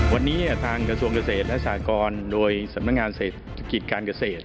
วันนี้ทางกระทรวงเกษตรและสากรโดยสำนักงานเศรษฐกิจการเกษตร